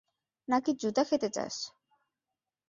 নাকি জুতা খেতে চাস?